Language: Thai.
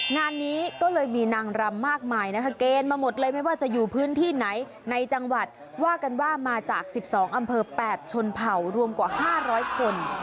งานนี้ก็เลยมีนางรำมากมายนะคะเกณฑ์มาหมดเลยไม่ว่าจะอยู่พื้นที่ไหนในจังหวัดว่ากันว่ามาจาก๑๒อำเภอ๘ชนเผ่ารวมกว่า๕๐๐คน